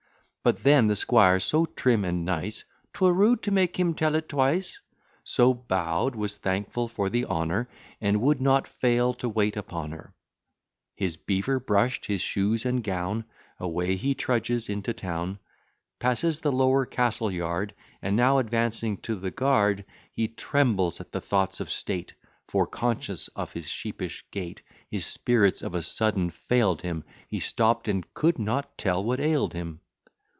But then the squire so trim and nice, 'Twere rude to make him tell it twice; So bow'd, was thankful for the honour; And would not fail to wait upon her. His beaver brush'd, his shoes, and gown, Away he trudges into town; Passes the lower castle yard, And now advancing to the guard, He trembles at the thoughts of state; For, conscious of his sheepish gait, His spirits of a sudden fail'd him; He stopp'd, and could not tell what ail'd him.